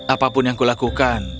apapun yang kulakukan